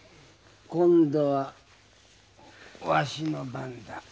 今度はわしの番だ。